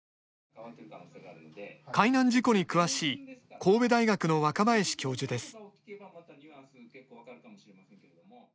海難事故に詳しい神戸大学の若林教授です。